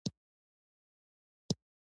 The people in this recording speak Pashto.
د ډرامې صحنه د احساساتو هنداره ده.